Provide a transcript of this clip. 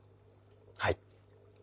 はい。